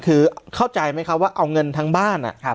คือเข้าใจไหมครับว่าเอาเงินทั้งบ้าน